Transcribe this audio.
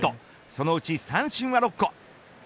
そのうち三振は６個。